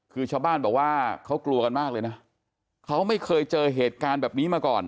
คือชาวบ้านบอกว่าเขากลัวกันมากเลยนะเขาไม่เคยเจอเหตุการณ์แบบนี้มาก่อน